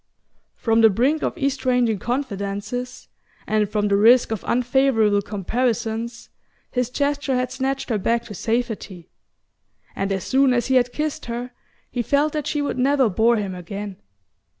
From the brink of estranging confidences, and from the risk of unfavourable comparisons, his gesture had snatched her back to safety; and as soon as he had kissed her he felt that she would never bore him again.